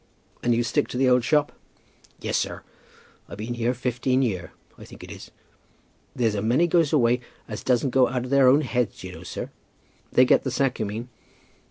"And you stick to the old shop?" "Yes, sir; I've been here fifteen year, I think it is. There's a many goes away, as doesn't go out of their own heads, you know, sir." "They get the sack, you mean?"